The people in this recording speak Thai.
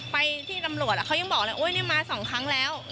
ไปที่ตำรวจเค้ายังบอกโอ้ยแล้วมาสองครั้งแล้ว